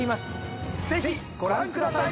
ぜひご覧ください！